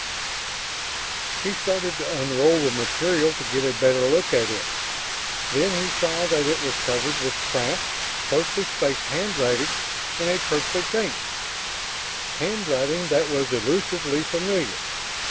He started to unroll the material to get a better look at it, then he saw that it was covered with cramped, closely spaced handwriting in a purplish ink handwriting that was elusively familiar.